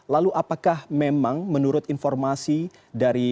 lalu apakah memang menurut informasi dari